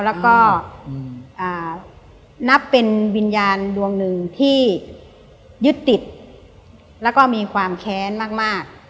แล้วก็นับเป็นวิญญาณดวงหนึ่งที่ยึดติดแล้วก็มีความแค้นมาก